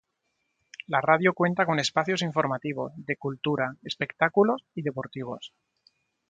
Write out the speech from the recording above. La radio cuenta con espacios informativos, de cultura, espectáculos y deportivos.